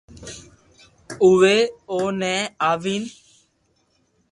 او وي او ني آوين